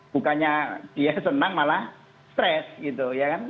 bukannya dia senang malah stres gitu ya kan